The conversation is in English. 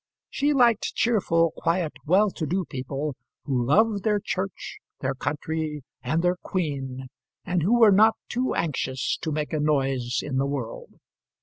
She liked cheerful, quiet, well to do people, who loved their Church, their country, and their Queen, and who were not too anxious to make a noise in the world.